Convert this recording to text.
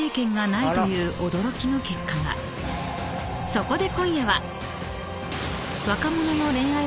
［そこで］